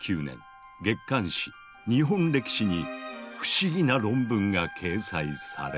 月刊誌「日本歴史」に不思議な論文が掲載された。